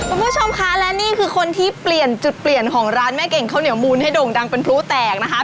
คุณผู้ชมคะและนี่คือคนที่เปลี่ยนจุดเปลี่ยนของร้านแม่เก่งข้าวเหนียวมูลให้โด่งดังเป็นพลุแตกนะคะ